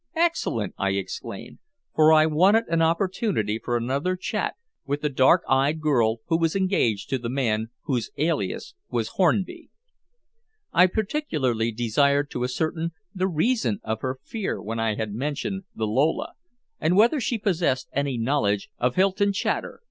"Excellent!" I exclaimed, for I wanted an opportunity for another chat with the dark eyed girl who was engaged to the man whose alias was Hornby. I particularly desired to ascertain the reason of her fear when I had mentioned the Lola, and whether she possessed any knowledge of Hylton Chater.